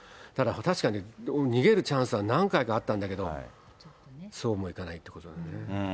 確かに、逃げるチャンスは何回かあったんだけど、そうもいかないということだね。